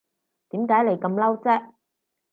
點解你咁嬲啫